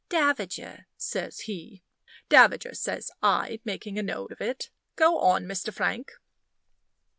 "Davager," says he. "Davager," says I, making a note of it. "Go on, Mr. Frank."